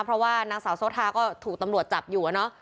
เพราะว่านางสาวโซทาก็ถูกตำรวจจับอยู่